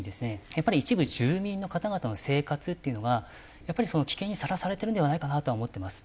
やっぱり一部住民の方々の生活っていうのが危険にさらされてるんではないかなとは思っています。